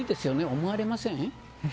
思われませんか。